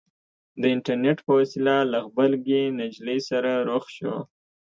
د اينټرنېټ په وسيله له غبرګې نجلۍ سره رخ شو.